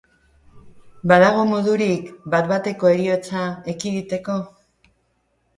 Badago modurik bat-bateko heriotza ekiditeko?